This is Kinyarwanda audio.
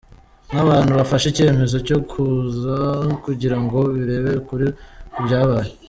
Nk’abantu bafashe icyemezo cyo kuza kugira ngo birebere ukuri ku byabaye.